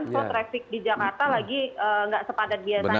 soal trafik di jakarta lagi tidak sepadat biasanya